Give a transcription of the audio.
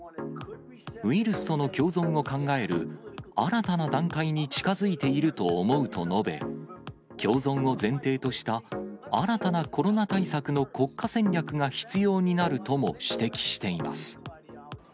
ウイルスとの共存を考える新たな段階に近づいていると思うと述べ、共存を前提とした新たなコロナ対策の国家戦略が必要になるとも指摘しています。